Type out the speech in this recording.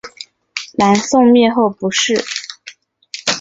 南宋灭后不仕。